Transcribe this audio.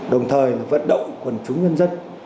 đồng thời vận động quân chúng nhân dân